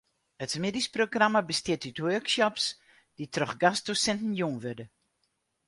It middeisprogramma bestiet út workshops dy't troch gastdosinten jûn wurde.